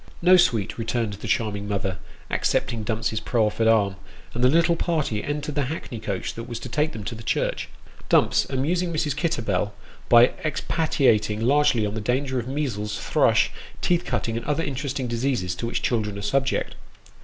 "No, sweet," returned the charming mother, accepting Dumps's proffered arm ; and the little party entered the hackney coach that was to take them to the church ; Dumps amusing Mrs. Kitterbell by expatiating largely on the danger of measles, thrush, teeth cutting, and other interesting diseases to which children are subject.